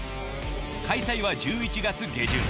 開催は１１月下旬。